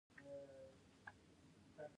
دښمني د پښتنو په کلتور کې اوږده وي.